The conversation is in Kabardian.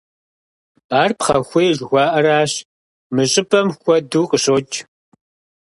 Ар пхъэхуей жыхуаӀэращ, мы щӀыпӀэм куэду къыщокӀ.